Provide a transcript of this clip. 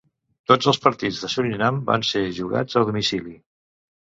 Tots els partits de Surinam van ser jugats a domicili.